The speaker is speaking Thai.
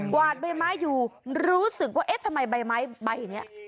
วาดใบไม้อยู่รู้สึกว่าเอ๊ะทำไมใบไม้ใบนี้